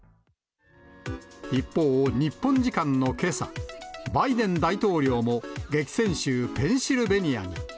一方、日本時間のけさ、バイデン大統領も激戦州、ペンシルベニアに。